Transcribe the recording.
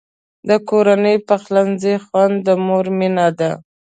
د کورني پخلنځي خوند د مور مینه ده.